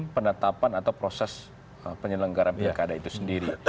penetapan atau proses penyelenggaraan pilkada itu sendiri